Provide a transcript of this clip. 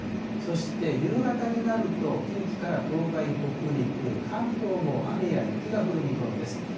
そして夕方になると近畿から東海、北陸、関東も雨や雪が降る見込みです。